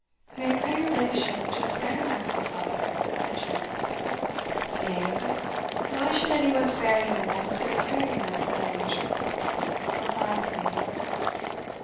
"May I pray your ladyship to spare my poor father?" said Janet. "Nay, but why should any one spare him that is so sparing of his own nature?" replied the lady.